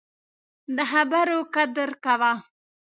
د خبرو قدر کوه